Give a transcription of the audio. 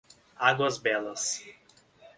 Águas Belas